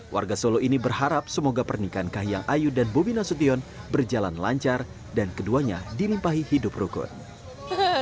warga solo ini berharap semoga pernikahan kahiyang ayu dan bobi nasution berjalan lancar dan keduanya dilimpahi hidup rukun